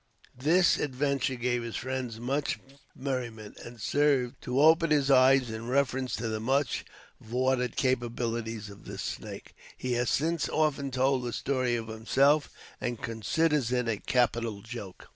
This adventure gave his friends much merriment, and served to open his eyes in reference to the much vaunted capabilities of this snake. He has since often told this story of himself, and considers it a capital joke.